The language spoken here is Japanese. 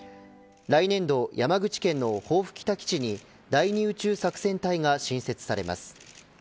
来年度、山口県の防府北基地に第２宇宙作戦隊が新設されます。